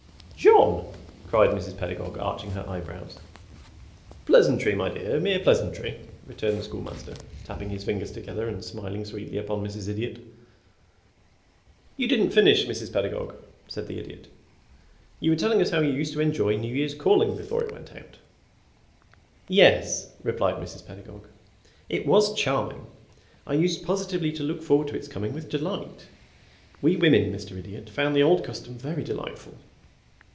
"John!" cried Mrs. Pedagog, arching her eyebrows. "Pleasantry, my dear mere pleasantry," returned the Schoolmaster, tapping his fingers together and smiling sweetly upon Mrs. Idiot. "You didn't finish, Mrs. Pedagog," said the Idiot. "You were telling us how you used to enjoy New Year's calling before it went out." "Yes," replied Mrs. Pedagog. "It was charming. I used positively to look forward to its coming with delight. We women, Mr. Idiot, found the old custom very delightful."